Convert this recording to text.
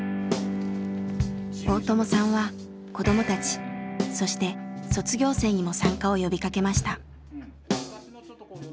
大友さんは子どもたちそして卒業生にも参加を呼びかけました。